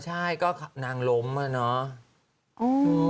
ใช่ก็นางล้มแล้วเนอะ